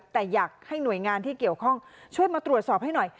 แต่อยากให้หน่วยงานที่เกี่ยวข้องช่วยมาตรวจสอบให้หน่อย